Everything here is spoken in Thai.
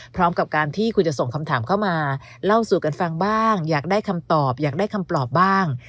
พร้อมกับการที่คุณจะส่งคำถามเข้ามาเล่าสู่กันฟังบ้างอยากได้คำตอบอยากได้คำปลอบบ้าง